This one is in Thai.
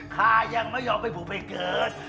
ข้ายังไม่ยอมให้ผูดไปเกิด